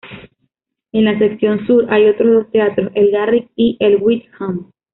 En la sección sur hay otros dos teatros, el Garrick y el Wyndham.